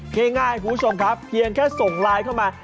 ง่ายคุณผู้ชมครับเพียงแค่ส่งไลน์เข้ามา